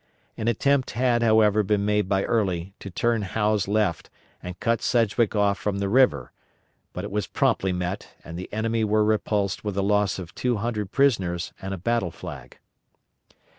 An attempt had, however, been made by Early to turn Howe's left and cut Sedgwick off from the river; but it was promptly met and the enemy were repulsed with a loss of two hundred prisoners and a battle flag.